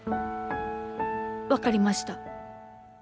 分かりました。